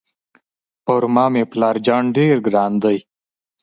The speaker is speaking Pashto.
پر ما مې پلار جان ډېر ګران دی.